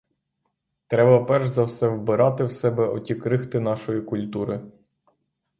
Треба перш за все вбирати в себе оті крихти нашої культури.